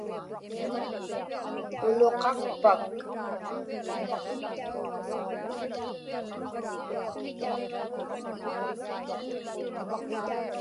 Uluqaqpak?